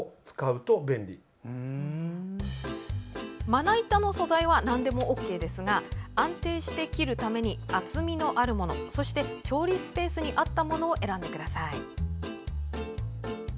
まな板の素材はなんでもＯＫですが安定して切るために厚みのあるものそして調理スペースに合ったものを選んでください。